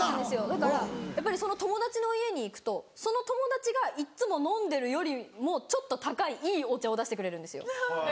だからやっぱり友達の家に行くとその友達がいつも飲んでるよりもちょっと高いいいお茶を出してくれるんですよ。